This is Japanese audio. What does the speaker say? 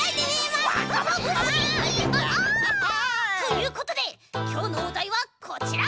まぶしいハハ！ということできょうのおだいはこちら！